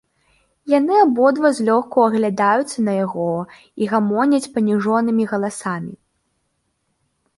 Яны абодва злёгку аглядаюцца на яго і гамоняць паніжонымі галасамі.